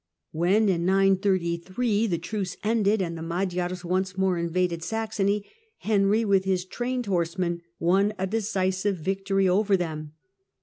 When in 933 the truce ended, and the Magyars once more invaded Saxony, Henry, with his trained horsemen, l^^on a decisive victory over them.